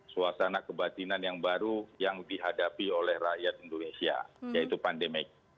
suasana kebatinan yang baru yang dihadapi oleh rakyat indonesia yaitu pandemik